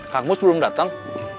kang mus belum datang